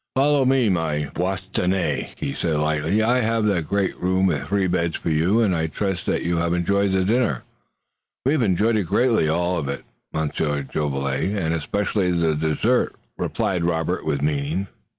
"Follow me, my Bostonnais," he said lightly. "I have the great room with three beds for you, and I trust that you have enjoyed the dinner." "We have enjoyed it greatly, all of it, Monsieur Jolivet, and especially the dessert," replied Robert with meaning.